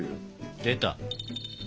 出た。